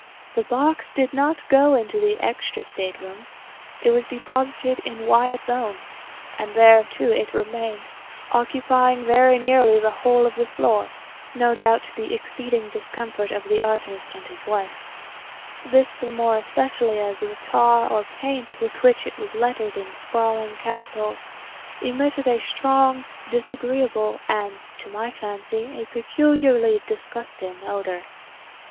The box did not go into the extra state room. It was deposited in Wyatt's own; and there, too, it remained, occupying very nearly the whole of the floor—no doubt to the exceeding discomfort of the artist and his wife;—this the more especially as the tar or paint with which it was lettered in sprawling capitals, emitted a strong, disagreeable, and, to my fancy, a peculiarly disgusting odor.